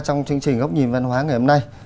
trong chương trình góc nhìn văn hóa ngày hôm nay